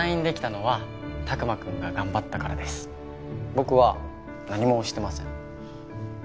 僕は何もしてません。